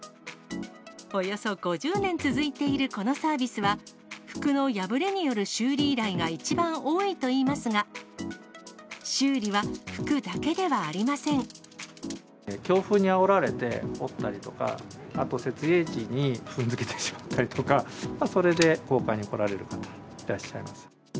およそ５０年続いているこのサービスは、服の破れによる修理依頼が一番多いといいますが、強風にあおられて折ったりとか、あと設営時に踏んづけてしまったりとか、それで交換に来られる方がいらっしゃいます。